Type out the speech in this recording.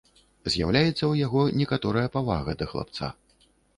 З'яўляецца ў яго некаторая павага да хлапца.